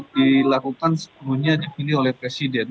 dilakukan sepenuhnya dipilih oleh presiden